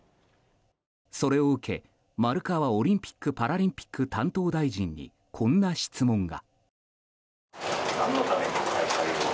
それを受け、丸川オリンピック・パラリンピック担当大臣にこんな質問が。